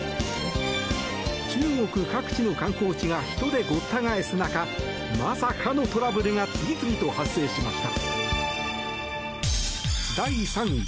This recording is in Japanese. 中国各地の観光地が人で、ごった返す中まさかのトラブルが次々と発生しました。